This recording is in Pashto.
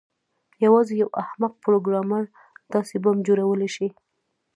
یوازې یو احمق پروګرامر داسې بم جوړولی شي